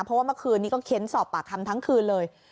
เพราะว่าเมื่อคืนนี้ก็เค้นสอบปากคำทั้งคืนเลย